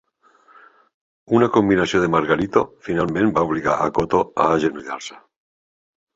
Una combinació de Margarito finalment va obligar a Cotto a agenollar-se.